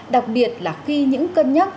đặc biệt là khi những cân nhắc